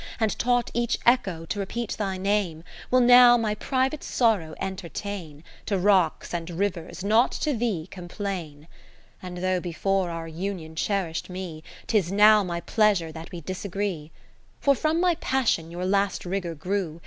And taught each echo to repeat thy name, 40 Will now my private sorrow enter tain, To rocks and rivers, not to thee, complain. And though before our union cherish'd me, 'Tis now my pleasure that we disagree. For from my passion your last rigour grew.